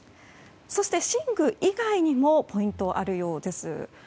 そして、寝具以外にもポイントがあるようです。